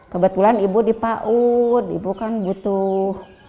kebetulan ibu di paud ibu kan butuh